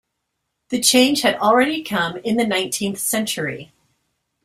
The change had already come in the nineteenth century.